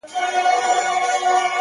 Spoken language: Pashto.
سيدې يې نورو دې څيښلي او اوبه پاتې دي،